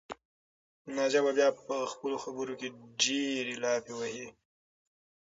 نازیه به بیا په خپلو خبرو کې ډېرې لافې وهي.